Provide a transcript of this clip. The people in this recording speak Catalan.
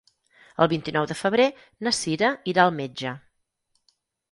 El vint-i-nou de febrer na Cira irà al metge.